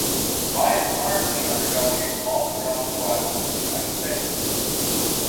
Rye has been currently undergoing a small but growing revival in the United States.